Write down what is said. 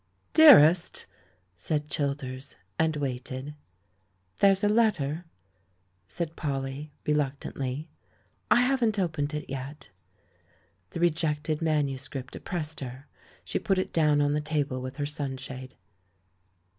"Dearest!" said Childers — and waited. "There's a letter," said Polly, reluctantly; "I haven't opened it yet." The rejected manuscript oppressed her ; she put it down on the table with her sunshade.